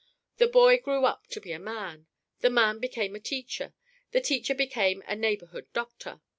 The boy grew up to be a man. The man became a teacher. The teacher became a neighborhood doctor.